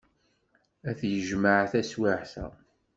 Ad t-yejmeɛ taswiɛt-a.